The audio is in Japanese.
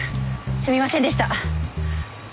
すみませんでした。